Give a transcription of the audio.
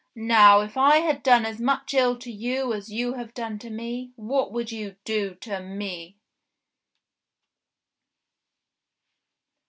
Now, if I had done as much ill to you as you have done to me, what would you do to me